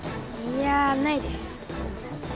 いやないです